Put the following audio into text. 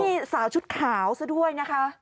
นี่สาวชุดขาวซะด้วยนะคะ